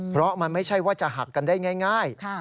เพราะมันไม่ใช่ว่าจะหักกันได้ง่าย